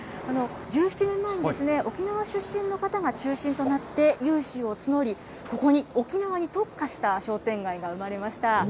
１７年前に、沖縄出身の方が中心となって、有志を募り、ここに沖縄に特化した商店街が生まれました。